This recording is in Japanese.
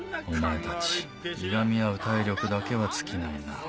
お前たちいがみ合う体力だけは尽きないな。